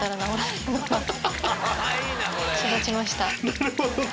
なるほどね。